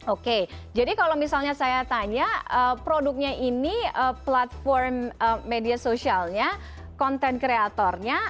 oke jadi kalau misalnya saya tanya produknya ini platform media sosialnya konten kreatornya